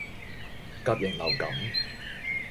甲型流感